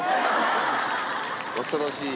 恐ろしい。